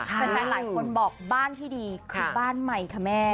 แฟนหลายคนบอกบ้านที่ดีคือบ้านใหม่ค่ะแม่